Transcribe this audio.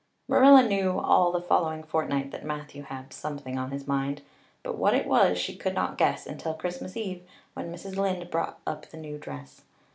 Marilla knew all the following fortnight that Matthew had something on his mind, but what it was she could not guess, until Christmas Eve, when Mrs. Lynde brought up the new dress.